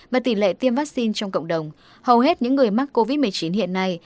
và tỷ lệ tiêm vaccine trong cộng đồng hầu hết những người mắc covid một mươi chín hiện nay